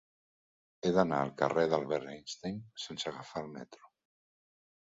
He d'anar al carrer d'Albert Einstein sense agafar el metro.